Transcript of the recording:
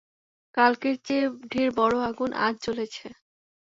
কালকের চেয়ে ঢের বড়ো আগুন আজ জ্বলেছে।